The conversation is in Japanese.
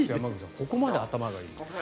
ここまで頭がいいと。